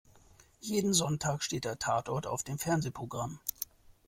Jeden Sonntag steht der Tatort auf dem Fernsehprogramm.